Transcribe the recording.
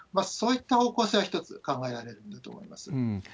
そういった方向性は一つ考えられるんだと思います。